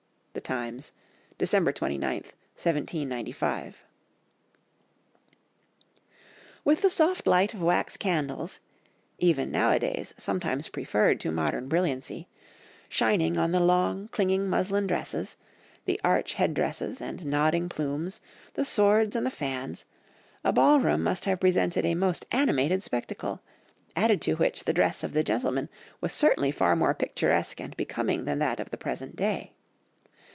(The Times, December 29, 1795.) With the soft light of wax candles—even nowadays sometimes preferred to modern brilliancy—shining on the long, clinging muslin dresses, the arch head dresses and nodding plumes, the swords and the fans, a ball room must have presented a most animated spectacle; added to which the dress of the gentlemen was certainly far more picturesque and becoming than that of the present day.